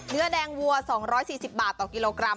เนื้อแดงวัว๒๔๐บาทต่อกิโลกรัม